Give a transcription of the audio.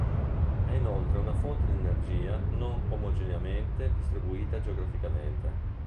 È inoltre una fonte di energia non omogeneamente distribuita geograficamente.